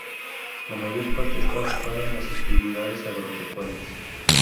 La mayor parte está ocupada en actividades agropecuarias.